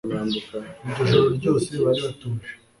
iryo joro ryose bari batuje